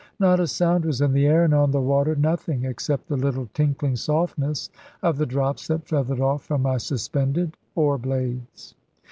Not a sound was in the air, and on the water nothing, except the little tinkling softness of the drops that feathered off from my suspended oar blades.